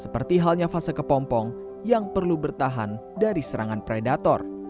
seperti halnya fase kepompong yang perlu bertahan dari serangan predator